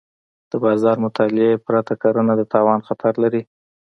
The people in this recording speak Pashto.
د بازار مطالعې پرته کرنه د تاوان خطر لري.